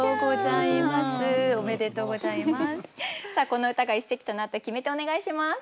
この歌が一席となった決め手お願いします。